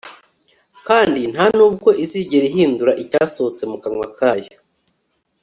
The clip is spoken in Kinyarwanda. kandi nta nubwo izigera ihindura icyasohotse mu kanwa kayo